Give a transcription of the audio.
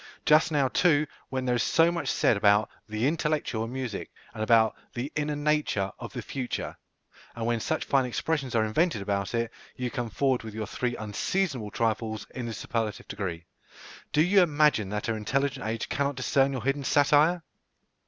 Just now, too, when there is so much said about "the intellectual" in music, and about "the inner nature of the future," and when such fine expressions are invented about it, you come forward with your three unseasonable trifles in the superlative degree. Do you imagine that our intelligent age cannot discern your hidden satire?